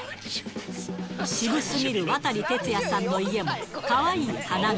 渋すぎる渡哲也さんの家も、かわいい花柄。